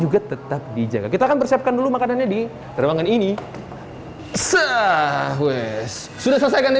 juga tetap dijaga kita akan persiapkan dulu makanannya di terowongan ini se sudah selesai ganti